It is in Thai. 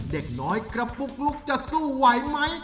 เด็กน้อยกระปุ๊กลุ๊กจะสู้ไหวไหม